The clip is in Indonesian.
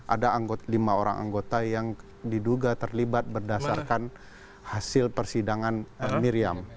ada lima orang anggota yang diduga terlibat berdasarkan hasil persidangan miriam